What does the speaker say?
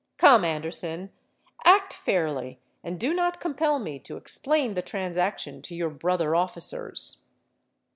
Come, Anderson, act fairly; and do not compel me to explain the transaction to your brother officers.'